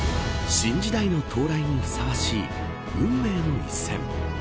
新時代の到来にふさわしい運命の一戦。